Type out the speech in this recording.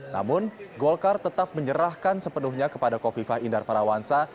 namun golkar tetap menyerahkan sepenuhnya kepada kofifah indar parawansa